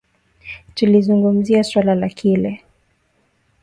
Tulizungumzia suala la kile